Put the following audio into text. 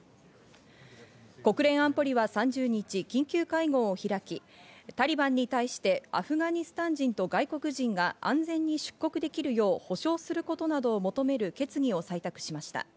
国連安保理は３０日、緊急会合を開き、タリバンに対してアフガニスタン人と外国人が安全に出国できるよう保証することなどを求める決議を採択しました。